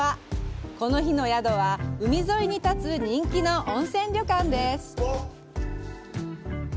この日の宿は海沿いに建つ人気の温泉旅館です。